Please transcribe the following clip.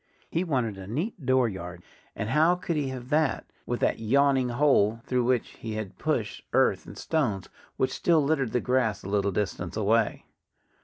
He wanted a neat dooryard. And how could he have that, with that yawning hole through which he had pushed earth and stones, which still littered the grass a little distance away?